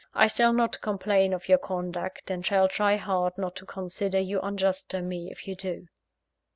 I shall not complain of your conduct, and shall try hard not to consider you unjust to me, if you do."